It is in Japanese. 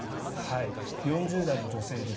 ４０代の女性です。